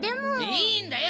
いいんだよ